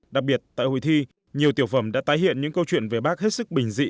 đặc biệt tại hội thi nhiều tiểu phẩm đã tái hiện những câu chuyện về bác hết sức bình dị